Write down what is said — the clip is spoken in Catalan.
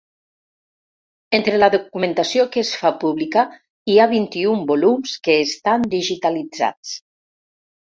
Entre la documentació que es fa pública hi ha vint-i-un volums que estan digitalitzats.